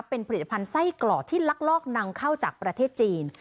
เป็นผลิตภัณฑ์ไส้กรอกที่ลักลอบนำเข้าจากประเทศจีน